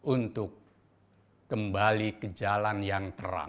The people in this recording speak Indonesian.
untuk kembali ke jalan yang terang